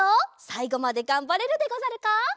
さいごまでがんばれるでござるか？